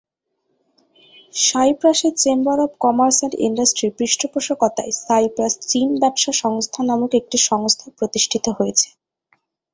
সাইপ্রাসের chamber of commerce and ইন্ডাস্ট্রির পৃষ্ঠপোষকতায় "সাইপ্রাস-চীন ব্যবসা সংস্থা" নামক একটি সংস্থা প্রতিষ্ঠিত হয়েছে।